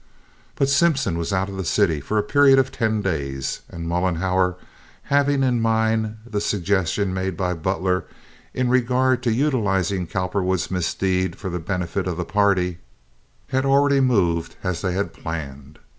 But Simpson was out of the city for a period of ten days, and Mollenhauer, having in mind the suggestion made by Butler in regard to utilizing Cowperwood's misdeed for the benefit of the party, had already moved as they had planned.